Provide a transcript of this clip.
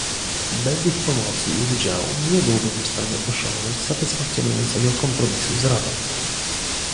Bez ich pomocy i udziału nie byłbym w stanie osiągnąć satysfakcjonującego kompromisu z Radą